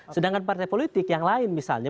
sedangkan partai politik yang lain misalnya